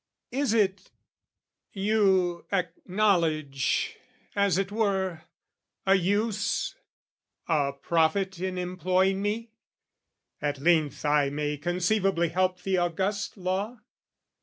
Is it, you acknowledge, as it were, a use, A profit in employing me? at length I may conceivably help the august law?